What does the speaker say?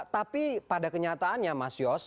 tapi pada kenyataannya mas yos